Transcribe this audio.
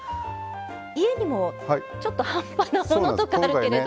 家にもちょっと半端なものとかあるけれど。